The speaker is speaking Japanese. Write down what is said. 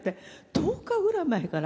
１０日ぐらい前から。